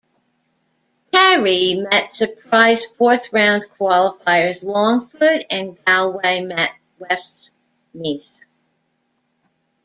Kerry met surprise fourth round qualifiers Longford and Galway met Westmeath.